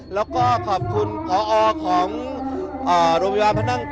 และขอบคุณพอของโรงพยาบาลพนัก๙